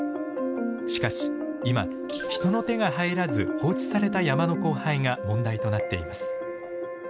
しかし今人の手が入らず放置された山の荒廃が問題となっています。